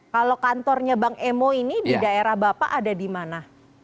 kalau kantornya bang emo ini di daerah bapak ada di mana